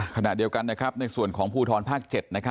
ขณะเดียวกันในส่วนของภูทรภาค๗